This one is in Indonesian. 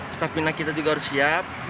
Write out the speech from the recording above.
staf minat kita juga harus siap